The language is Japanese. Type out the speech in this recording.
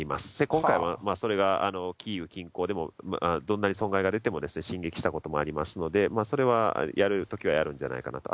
今回もそれがキーウ近郊でも、どんなに損害が出ても進撃したこともありますので、それはやるときはやるんじゃないかなと。